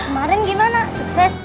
ah kemarin gimana sukses